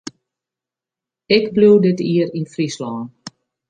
Ik bliuw dit jier yn Fryslân.